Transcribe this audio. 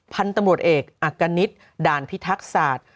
พันธุ์ตำรวจเอกอักกณิตด่านพิทักษา